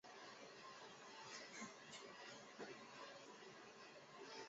加利西亚共产党是西班牙共产党在加利西亚自治区的分支。